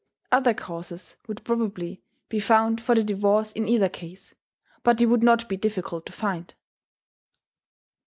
Other causes would probably he found for the divorce in either case but they would not be difficult to find.